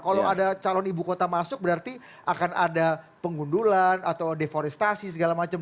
kalau ada calon ibu kota masuk berarti akan ada pengundulan atau deforestasi segala macam